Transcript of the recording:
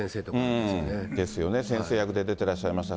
ですよね、先生役で出てらっしゃいました。